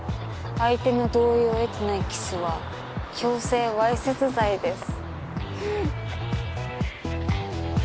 相手の同意を得てないキスは強制わいせつ罪です。